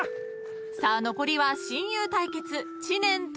［さあ残りは親友対決知念と山田］